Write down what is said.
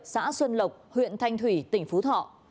xã xuân lộc huyện thanh thủy tỉnh phú thọ